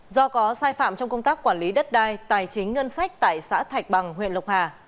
do có sai phạm trong công tác quản lý đất đai tài chính ngân sách tại xã thạch bằng huyện lộc hà